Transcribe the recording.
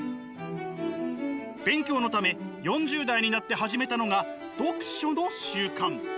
勉強のため４０代になって始めたのが読書の習慣。